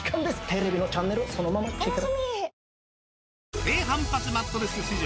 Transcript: テレビのチャンネルそのままチェケラ